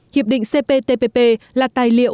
hiệp định cptpp là tài liệu